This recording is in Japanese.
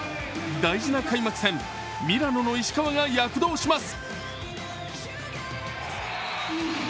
大事な開幕戦、ミラノの石川が躍動します。